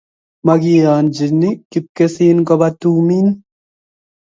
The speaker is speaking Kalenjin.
makiyonchini kipkesin koba tumin